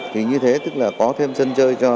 thì như thế tức là có thêm sân chơi